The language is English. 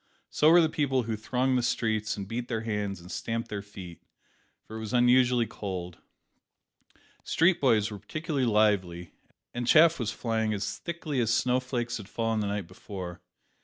So were the people who thronged the streets and beat their hands and stamped their feet for it was unusually cold. Street boys were particularly lively, and chaff was flying as thickly as snow flakes had fallen the night before.